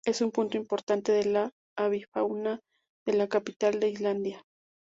Es un punto importante de la avifauna de la capital de Islandia.